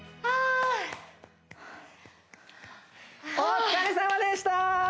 お疲れさまでしたー！